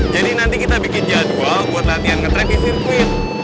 jadi nanti kita bikin jadwal buat latihan nge track di sirkuit